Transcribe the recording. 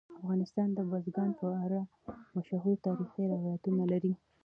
افغانستان د بزګان په اړه مشهور تاریخی روایتونه لري.